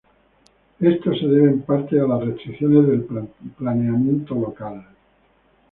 Esto se debe en parte a las restricciones del planeamiento local.